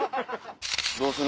どうする？